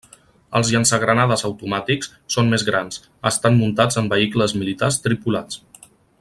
Els llançagranades automàtics són més grans, estan muntats en vehicles militars tripulats.